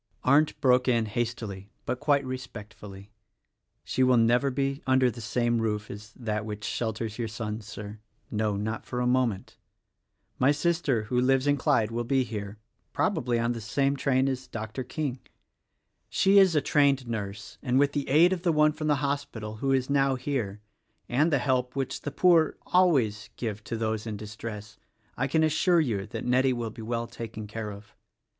Arndt broke in hastily but quite respectfully, "She will never be under the same roof as that which shelters your son, Sir — no: not for a moment. My sister, who lives in Clyde, will he here — probably on the same train as Dr. King. She is a trained nurse, and with the aid of the one from the hospital, who is now here, and the help which the poor always give to those in distress, I can assure you that Nettie will be well taken care of."